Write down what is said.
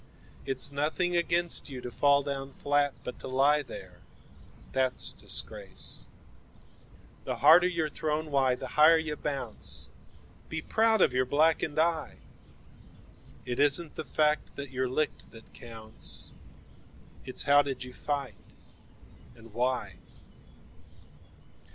11It's nothing against you to fall down flat,12 But to lie there that's disgrace.13The harder you're thrown, why the higher you bounce;14 Be proud of your blackened eye!15It isn't the fact that you're licked that counts,16 It's how did you fight and why?